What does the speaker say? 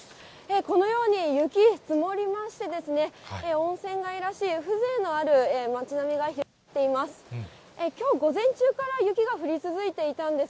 このように雪、積もりまして、温泉街らしい、風情のある街並みが広がっています。